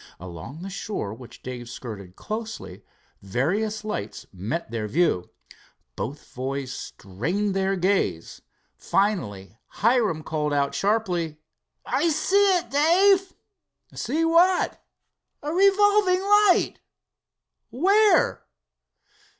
Along the shore, which Dave skirted closely, various lights their met view. Both boys strained their gaze. Finally Hiram called out sharply: "I see it, Dave." "See what?" "A revolving light." "Where?"